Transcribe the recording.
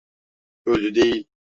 Ölü değil.